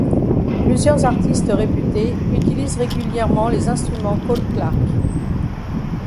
Plusieurs artistes réputés utilisent régulièrement les instruments Cole Clark.